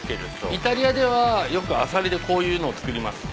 イタリアではよくアサリでこういうのを作ります。